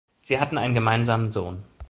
Sie hatten einen gemeinsamen Sohn.